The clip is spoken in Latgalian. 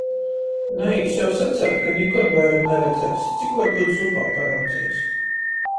Naīsi jau saceit, ka nikod vaira naredzēs, cik varbyut zupā paraudzeis.